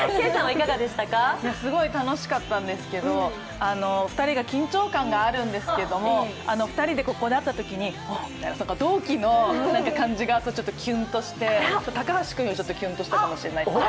すごい楽しかったんですけど２人が緊張感あるんですけど２人でここで会ったときに、あっという、同期の感じがキュンとして高橋君よりもキュンとしたかもしれないですね。